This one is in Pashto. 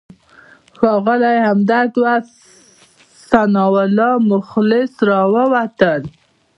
ښاغلی همدرد او ثناالله مخلص راووتل.